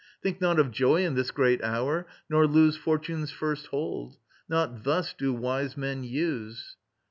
Think not of joy in this great hour, nor lose Fortune's first hold. Not thus do wise men use.